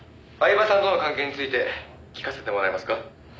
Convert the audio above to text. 「饗庭さんとの関係について聞かせてもらえますか？」